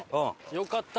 よかった。